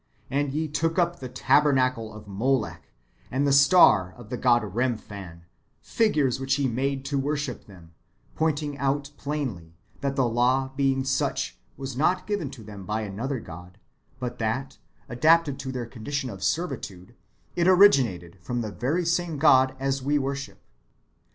And ye took up the tabernacle of Moloch, and the star of the god Remphan,"^ figures which ye made to worship them ;"^ pointing out plainly, that the law being such, was not given to them by another God, but that, adapted to their condition of servi tude, [it originated] from the very same [God as we worship].